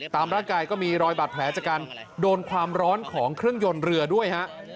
ตามร่างกายก็มีรอยบาดแผลจากการโดนความร้อนของเครื่องยนต์เรือด้วยฮะ